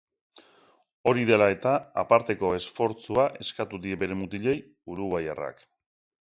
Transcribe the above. Hori dela eta, aparteko esfortzua eskatu die bere mutilei uruguaiarrak.